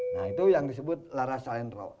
nah itu yang disebut lara salenro